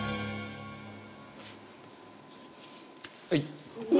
はい。